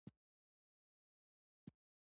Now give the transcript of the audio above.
هر نظام د اصلاح اړتیا لري